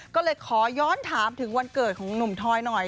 ก็เลยขอย้อนถามถึงวันเกิดของหนุ่มทอยหน่อย